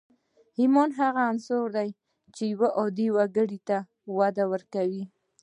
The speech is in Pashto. ايمان هغه عنصر دی چې يو عادي وګړي ته وده ورکوي.